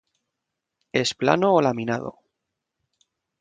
Es plano o laminado.